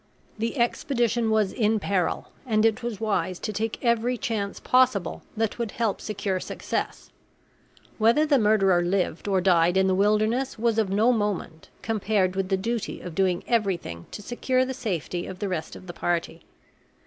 The expedition was in peril, and it was wise to take every chance possible that would help secure success. Whether the murderer lived or died in the wilderness was of no moment compared with the duty of doing everything to secure the safety of the rest of the party.